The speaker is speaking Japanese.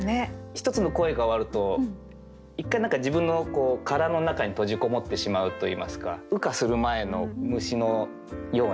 一つの恋が終わると一回何か自分の殻の中に閉じこもってしまうといいますか羽化する前の虫のような。